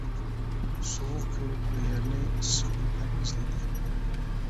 سوغۇق كۆرۈپ بۇ يەرنى، ئىسسىق ماكان ئىزلىدى.